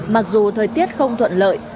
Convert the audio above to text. mặc dù thời tiết không thuận lợi